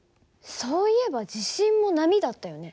そういえば地震も波だったよね。